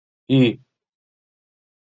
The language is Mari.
Й!